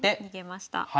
逃げました。